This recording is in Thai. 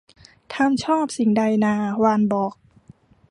ทำชอบสิ่งใดนา วานบอก